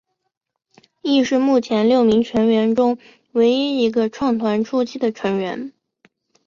亦是目前六名成员中唯一一个创团初期的成员。